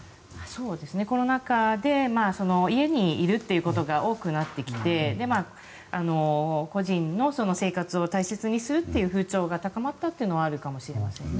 コロナ禍で家にいるということが多くなってきて個人の生活を大切にするっていう風潮が高まったというのはあるかもしれませんね。